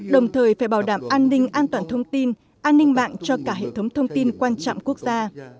đồng thời phải bảo đảm an ninh an toàn thông tin an ninh mạng cho cả hệ thống thông tin quan trọng quốc gia